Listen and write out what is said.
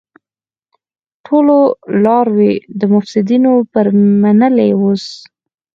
ټولو لاروی د مفسيدينو پير منلی اوس